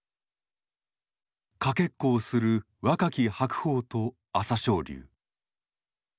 かけっこをする若き白鵬と朝青龍。